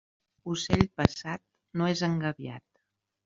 Ocell passat no és engabiat.